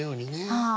はい。